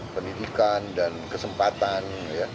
pendidikan dan kesempatan